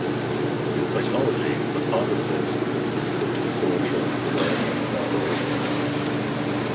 In psychology the positivist movement was influential in the development of operationalism.